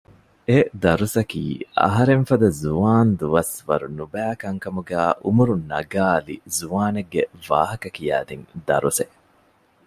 އެ ދަރުސަކީ އަހަރެންފަދަ ޒުވާންދުވަސް ވަރު ނުބައި ކަންކަމުގައި އުމުރު ނަގައިލި ޒުވާނެއްގެ ވާހަކަ ކިޔައިދިން ދަރުސެއް